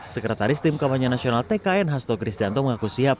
sekretaris tim kampanye nasional tkn hasto kristianto mengaku siap